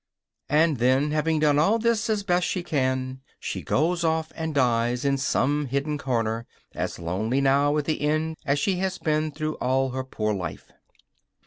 And then, having done all this as best she can, she goes off and dies in some hidden corner, as lonely now at the end as she has been through all her poor life.